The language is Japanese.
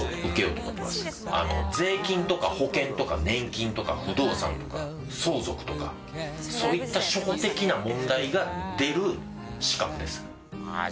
税金とか保険とか年金とか不動産とか相続とかそういった初歩的な問題が出る資格です。